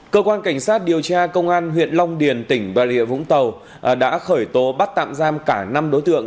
cơ quan cảnh sát điều tra công an huyện long điền tỉnh bà rịa vũng tàu đã khởi tố bắt tạm giam cả năm đối tượng